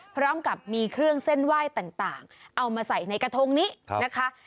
พร้อมกับมีเครื่องเส้นไหว้ต่างเอามาใส่ในกระทงนี้นะคะ